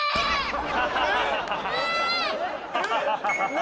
・何？